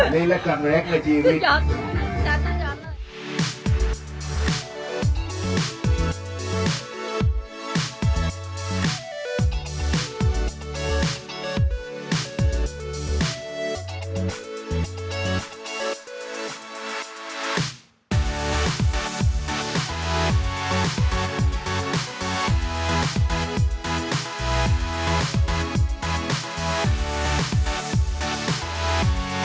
นี่นี่การแรงชีวิต